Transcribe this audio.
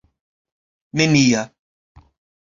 nenia